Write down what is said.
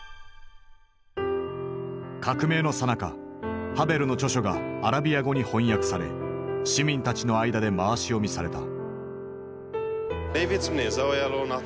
革命のさなかハヴェルの著書がアラビア語に翻訳され市民たちの間で回し読みされた。